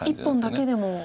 １本だけでも。